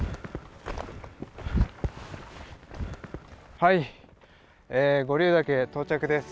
はい五竜岳到着です。